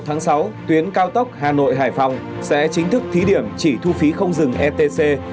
từ chín h sáng ngày một tháng sáu tuyến cao tốc hà nội hải phòng sẽ chính thức thí điểm chỉ thu phí không dừng etc